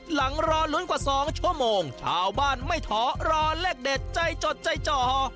หลังรอลุ้นกว่า๒ชั่วโมงชาวบ้านไม่ท้อรอเลขเด็ดใจจดใจจ่อ